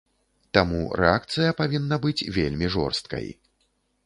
Таму рэакцыя павінна быць вельмі жорсткай.